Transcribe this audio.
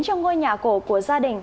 trong ngôi nhà cổ của gia đình